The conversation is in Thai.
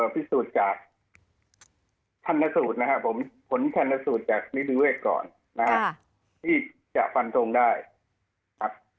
พิสูจน์จาก